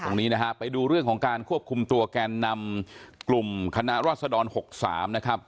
ตรงนี้นะฮะไปดูเรื่องของการควบคุมตัวแกนนำกลุ่มคณะรัศดร๖๓นะครับ